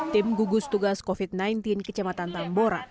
tim gugus tugas covid sembilan belas ke jembatan tambora